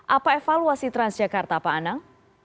apa evaluasi transjakarta pak anang